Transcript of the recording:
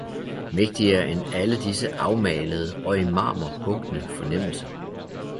Mægtigere end alle disse afmalede og i marmor hugne fornemmelser!